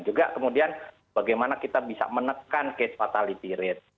juga kemudian bagaimana kita bisa menekan case fatality rate